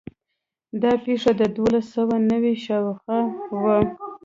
دا پېښه د دولس سوه نوي شاوخوا وه.